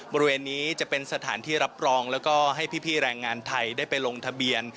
บริเวณนี้จะเป็นสถานที่รับรองแล้วก็ให้พี่แรงงานไทยได้ไปลงทะเบียน